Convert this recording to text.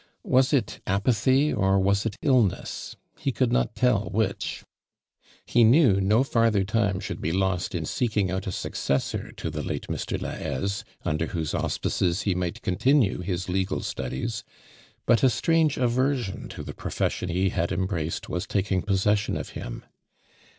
Was it apathy, or was it illness? He could not toll which. He knew no farther time nhould be lost in seeking out a suc cessor to the late Mr. Lahaise under whose anspices he might continue his legal studies, but a strange aversion to the profession he bad embraced, was taking possession of him.